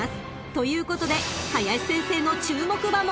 ［ということで林先生の注目馬も］